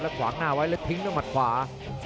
ขวางหน้าไว้แล้วทิ้งด้วยหมัดขวา